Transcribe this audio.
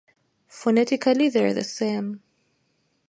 Phonetically they are the same.